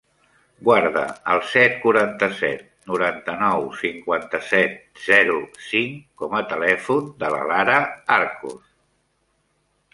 Guarda el set, quaranta-set, noranta-nou, cinquanta-set, zero, cinc com a telèfon de la Lara Arcos.